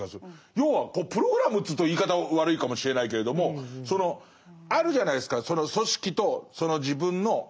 要はプログラムというと言い方悪いかもしれないけれどもそのあるじゃないですか。